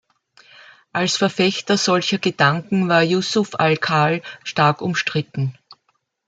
Als Verfechter solcher Gedanken war Yusuf al-Khal stark umstritten.